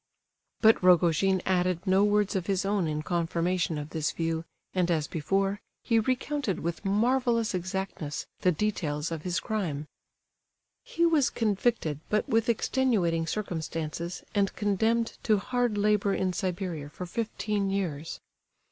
But Rogojin added no words of his own in confirmation of this view, and as before, he recounted with marvellous exactness the details of his crime. He was convicted, but with extenuating circumstances, and condemned to hard labour in Siberia for fifteen years.